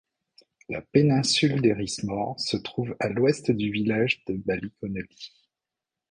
La péninsule d’Errismore se trouve à l’ouest du village de Ballyconeely.